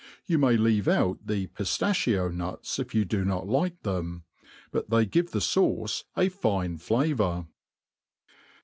You may leave out the piftachio^nuts, if you do not like them^ but they give the fauce a fine flavour.